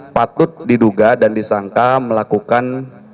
patut diduga dan disangka melakukan